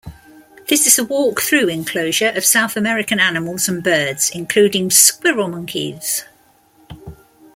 This is a walk-through enclosure of South American animals and birds including squirrel monkeys.